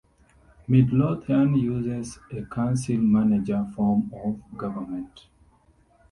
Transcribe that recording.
Midlothian uses a council-manager form of government.